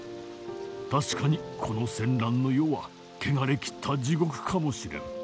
確かにこの戦乱の世はけがれきった地獄かもしれん。